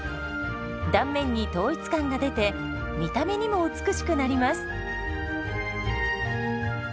断面に統一感が出て見た目にも美しくなります。